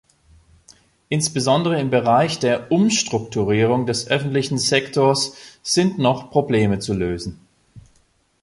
Insbesondere im Bereich der Umstrukturierung des öffentlichen Sektors sind noch Probleme zu lösen.